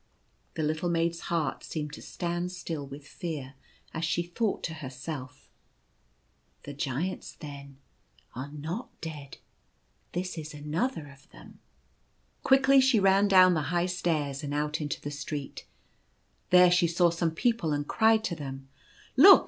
The little maid's heart seemed to stand still with fear as she thought to herself, " The Giants, then, are not dead. This is another of them." 5 2 The unheeded warning. Quickly she ran down the high stairs and out into the street. There she saw some people, and cried to them, iC Look